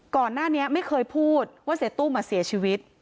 ก่อนหน้านี้ไม่เคยพูดว่าเสียตุ้มเสียชีวิต